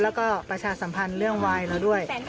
แล้วก็ประชาสัมพันธ์เรื่องวายเราด้วย